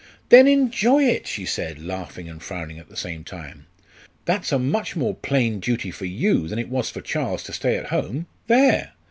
"Then enjoy it!" she said, laughing and frowning at the same time. "That's a much more plain duty for you than it was for Charles to stay at home there!